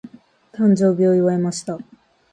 誕生日を祝いました。